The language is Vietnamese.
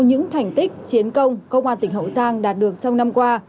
những thành tích chiến công công an tỉnh hậu giang đạt được trong năm qua